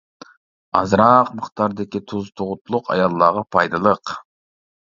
ئازراق مىقداردىكى تۇز تۇغۇتلۇق ئاياللارغا پايدىلىق.